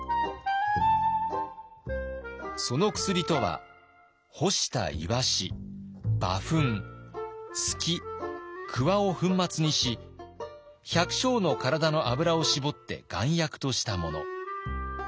その薬とは干した鰯馬糞鋤鍬を粉末にし百姓の体の脂を搾って丸薬としたもの。